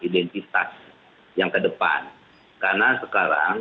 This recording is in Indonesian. identitas yang kedepan karena sekarang